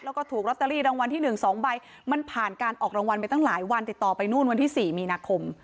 แล้วก็ถูกลอตเตอรี่รางวัลที่๑๒ใบมันผ่านการออกรางวัลไปตั้งหลายวันติดต่อไปนู่นวันที่๔มีนาคม